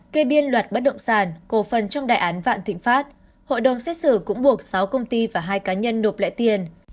các động sản cổ phần trong đài án vạn thịnh pháp hội đồng xét xử cũng buộc sáu công ty và hai cá nhân đột lệ tiền